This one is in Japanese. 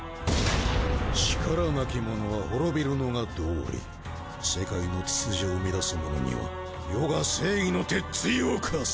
力なき者は滅びるのが道理世界の秩序を乱す者には余が正義の鉄ついを下す！